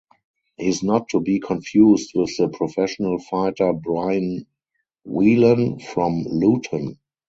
He is not to be confused with the professional fighter Brian Whelan from Luton.